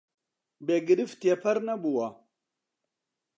بێ گرفت تێپەڕ نەبووە